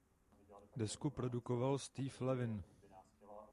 Desku produkoval Steve Levine.